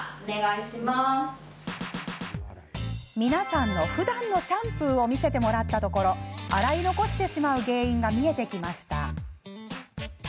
皆さんの、ふだんのシャンプーを見せてもらったところ洗い残してしまう原因が見えてきました。